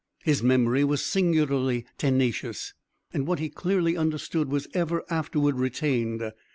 His memory was singularly tenacious, and what he clearly understood was ever afterward retained.